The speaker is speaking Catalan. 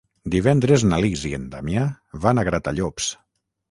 Divendres na Lis i en Damià van a Gratallops.